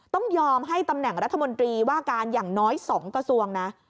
ต้องยอมให้ตำแหน่งรัฐมนตรีว่าการอย่างน้อย๒กระทรวงนะ